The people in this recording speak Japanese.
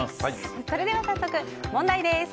それでは早速問題です。